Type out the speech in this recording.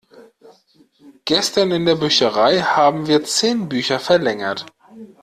Gestern in der Bücherei haben wir zehn Bücher verlängert.